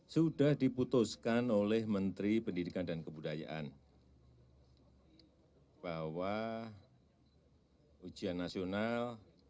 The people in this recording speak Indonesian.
sudah diputuskan oleh menteri pendidikan dan kebudayaan bahwa ujian nasional